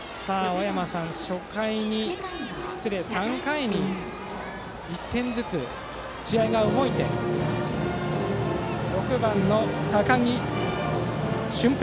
３回に１点ずつ試合が動いて６番の高木馴平。